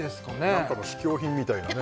何かの試供品みたいなね